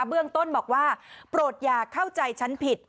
เบื้องต้นบอกว่าโปรดอย่าเข้าใจฉันผิด